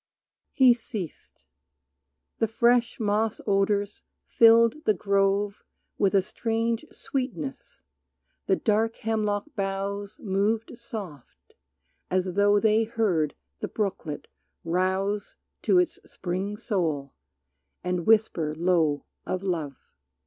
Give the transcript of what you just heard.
He ceased; the fresh moss odors filled the grove With a strange sweetness, the dark hemlock boughs Moved soft, as though they heard the brooklet rouse To its spring soul, and whisper low of love.